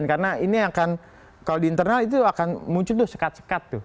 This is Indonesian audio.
karena ini akan kalau di internal itu akan muncul sekat sekat tuh